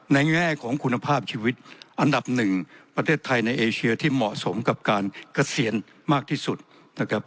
แง่ของคุณภาพชีวิตอันดับหนึ่งประเทศไทยในเอเชียที่เหมาะสมกับการเกษียณมากที่สุดนะครับ